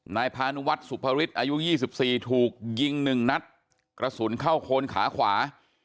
นายพานุวัฒนสุภฤษอายุ๒๔ถูกยิง๑นัดกระสุนเข้าโคนขาขวา